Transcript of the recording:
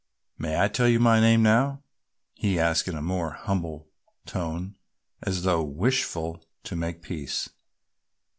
"May I tell you my name now?" he asked in a more humble tone, as though wishful to make peace.